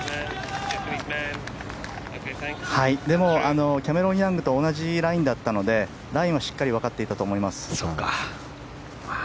でもキャメロン・ヤングと同じラインだったのでラインはしっかりわかっていたと思います。